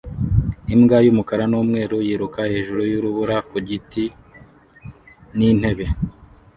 Imbwa y'umukara n'umweru yiruka hejuru y'urubura ku giti n'intebe